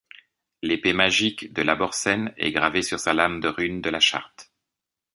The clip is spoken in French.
L'épée magique de l'Abhorsën est gravée sur sa lame de runes de la Charte.